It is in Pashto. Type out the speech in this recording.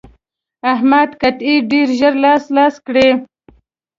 احمد قطعې ډېر ژر لاس لاس کړې.